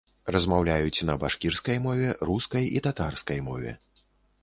Размаўляюць на башкірскай мове, рускай і татарскай мове.